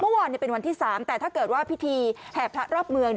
เมื่อวานเป็นวันที่๓แต่ถ้าเกิดว่าพิธีแห่พระรอบเมือง